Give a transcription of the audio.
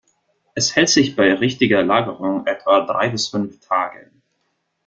Es hält sich bei richtiger Lagerung etwa drei bis fünf Tage.